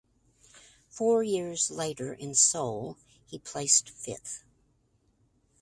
Four years later in Seoul he placed fifth.